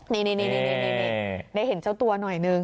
นี่ได้เห็นเจ้าตัวหน่อยนึง